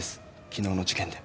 昨日の事件で。